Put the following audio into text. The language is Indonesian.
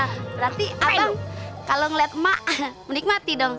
berarti abang kalau ngeliat mak menikmati dong